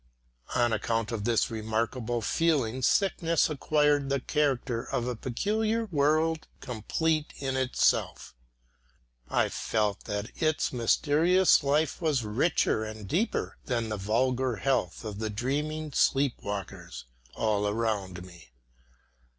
On account of this remarkable feeling sickness acquired the character of a peculiar world complete in itself. I felt that its mysterious life was richer and deeper than the vulgar health of the dreaming sleep walkers all around me.